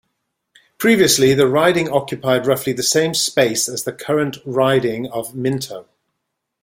Previously, the riding occupied roughly the same space as the current riding of Minto.